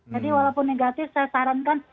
jadi walaupun negatif saya sarankan